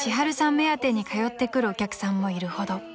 目当てに通ってくるお客さんもいるほど］